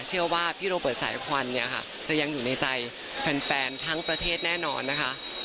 เชื่อว่าพี่โรเบิร์ตสายควันเนี่ยค่ะจะยังอยู่ในใจแฟนทั้งประเทศแน่นอนนะคะ